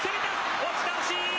押し倒し。